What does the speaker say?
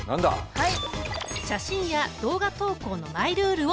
はい！